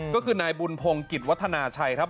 ก็คือนายบุญพงศ์กิจวัฒนาชัยครับ